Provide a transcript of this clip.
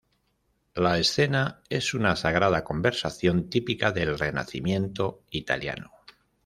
La escena es una sagrada conversación típica del Renacimiento italiano.